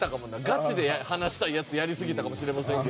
ガチで話したいやつやりすぎたかもしれませんけど。